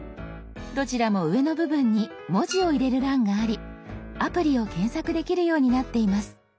どちらも上の部分に文字を入れる欄がありアプリを検索できるようになっています。